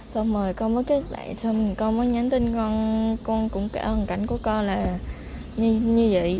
xong rồi con mới kết bạn con mới nhắn tin con con cũng kể hoàn cảnh của con là như vậy